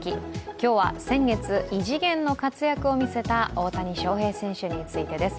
今日は先月、異次元の活躍を見せた大谷翔平選手についてです